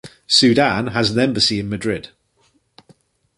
Sudan has an embassy in Madrid.